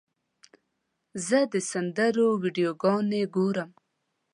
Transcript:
زه د سندرو ویډیوګانې ګورم.